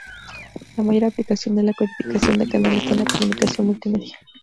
La mayor aplicación de la codificación de canal está en la comunicación multimedia.